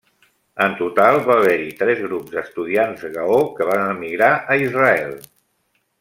En total va haver-hi tres grups d'estudiants gaó que van emigrar a Israel.